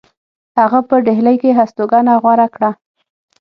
هغه په ډهلی کې هستوګنه غوره کړه.